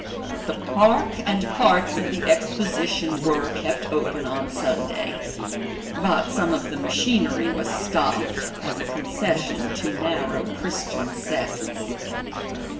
The park and parts of the Exposition were kept open on Sunday, but some of the machinery was stopped as a concession to narrow Christian sects.